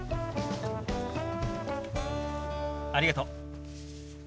ありがとう。